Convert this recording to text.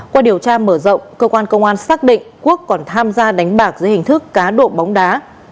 qua điều tra mở rộng cơ quan công an xác định quốc còn tham gia đánh bạc dưới hình thức cá độ bóng đá